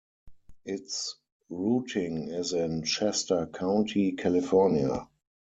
Its routing is in Shasta County, California.